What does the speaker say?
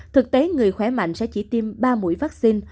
thực tế người khỏe mạnh sẽ chỉ tiêm ba mũi vaccine